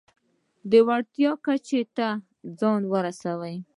وړتیاوو کچه ته ځان ورسوو.